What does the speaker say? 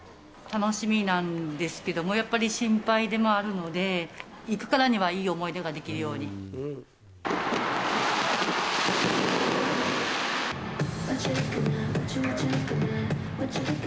楽しみなんですけども、やっぱり心配でもあるので、行くからにはいい思い出ができるように。